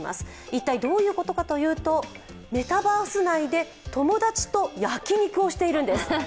一体どういうことかというと、メタバース内で友達と焼き肉をしているんです。